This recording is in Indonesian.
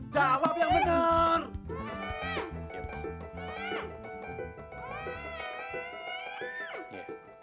jawab yang bener